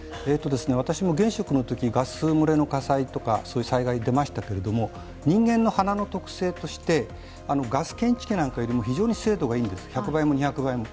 私も現職のときにガス漏れの火災とか、そういう災害出ましたけども、人間の鼻の特性として、ガス感知器なんか非常に精度がいいんです、１００倍も２００倍も。